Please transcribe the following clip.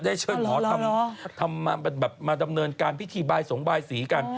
เชิญหมอทำมาดำเนินการพิธีบายสมบายสีกัน